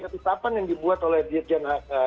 ketetapan yang dibuat oleh dirjen